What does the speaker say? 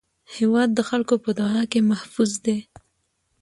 هېواد د خلکو په دعا کې محفوظ دی.